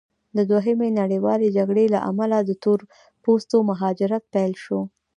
د دویمې نړیوالې جګړې له امله د تور پوستو مهاجرت پیل شو.